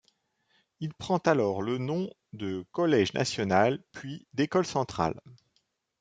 Il prend alors le nom de collège national puis d'école Centrale.